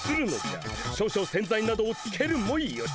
少々洗剤などをつけるもよし。